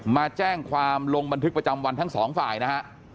มาแจ้งความลงบันทึกประจำวันทั้งสองฝ่ายนะฮะ